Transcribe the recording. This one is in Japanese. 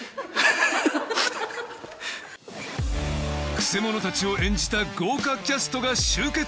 くせ者たちを演じた豪華キャストが集結！